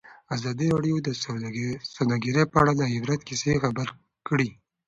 ازادي راډیو د سوداګري په اړه د عبرت کیسې خبر کړي.